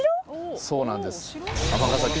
そうなんです。